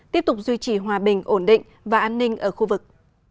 tiếp tục duy trì hòa bình ổn định và an ninh ở khu vực